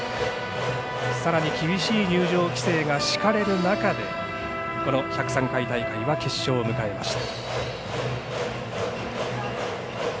さらに厳しい入場規制が敷かれた中でこの１０３回大会は決勝を迎えました。